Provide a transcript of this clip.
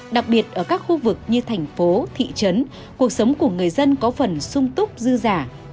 đặc biệt ở các khu vực như thành phố thị trấn cuộc sống của người dân có phần sung túc dư giả